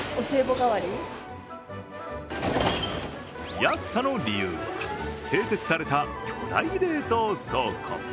安さの理由は併設された巨大冷凍倉庫。